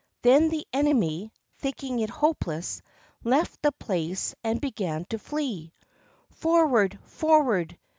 Then the enemy, thinking it hopeless, left the place and began to flee, "Forward! forw^ard!